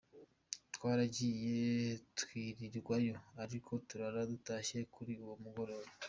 Twaragiye twirirwayo ariko turara dutashye kuri uwo mugoroba.